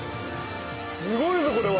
すごいぞこれは！